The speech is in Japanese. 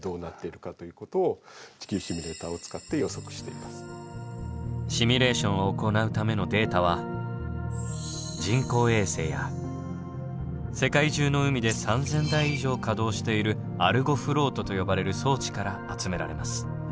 ここ図があるのはシミュレーションを行うためのデータは人工衛星や世界中の海で３，０００台以上稼働しているアルゴフロートと呼ばれる装置から集められます。